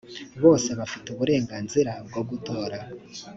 bose bafite uburenganzira bwo gutora.